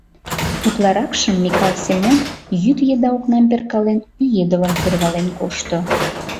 Утларакшым Микал Семон, йӱд еда окнам перкален, ӱедылын сӧрвален кошто.